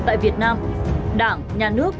tại việt nam đảng nhà nước